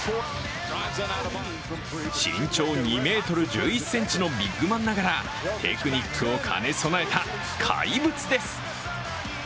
身長２ｍ１１ｃｍのビッグマンながらテクニックを兼ね備えた怪物です。